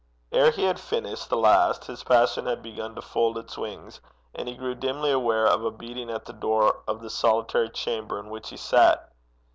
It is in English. Ere he had finished the last, his passion had begun to fold its wings, and he grew dimly aware of a beating at the door of the solitary chamber in which he sat.